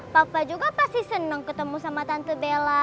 papa juga pasti senang ketemu sama tante bella